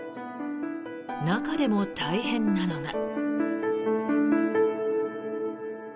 中でも大変なのが。